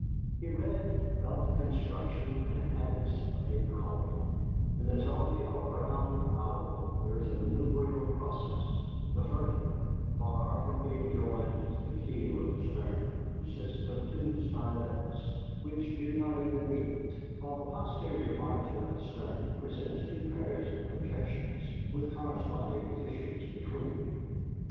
He read about the construction and habits of the owl: "In the tawny, or brown, owl there is a manubrial process; the furcula, far from being joined to the keel of the sternum, consists of two stylets, which do not even meet; while the posterior margin of the sternum presents two pairs of projections, with corresponding fissures between."